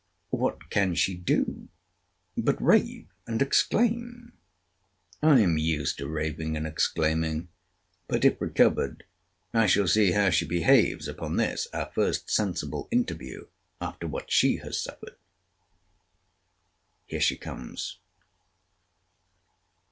What can she do but rave and exclaim? I am used to raving and exclaiming—but, if recovered, I shall see how she behaves upon this our first sensible interview after what she has suffered. Here she comes.